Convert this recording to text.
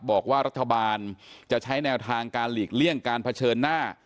บอกว่ารัฐบาลจะใช้แนวทางการหลีกเลี่ยงการเผชิญหน้า